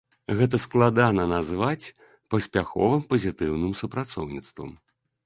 Гэта складана назваць паспяховым пазітыўным супрацоўніцтвам.